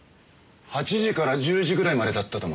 ８時から１０時ぐらいまでだったと思います。